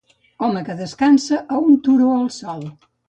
Home que descansa a un turó al sol.